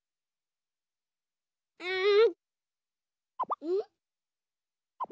うん。